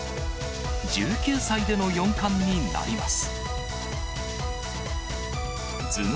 １９歳での四冠になります。